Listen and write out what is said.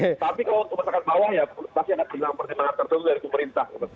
tapi kalau untuk masyarakat bawah ya pasti akan pertimbangan tertentu dari pemerintah